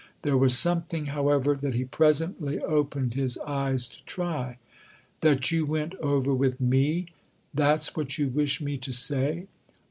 There was something, however, that he presently opened his eyes to try. " That you went over with me that's what you wish me to say